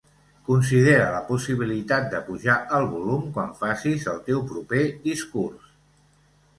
Considera la possibilitat de pujar el volum quan facis el teu proper discurs.